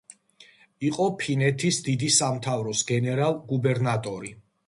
იყო ფინეთის დიდი სამთავროს გენერალ-გუბერნატორი.